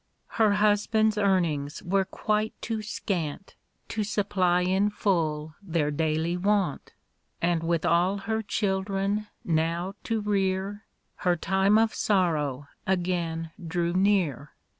Her husband's earnings were quite too scant To supply in full their daily want; And with all her children now to rear, Her time of sorrow apain drew near.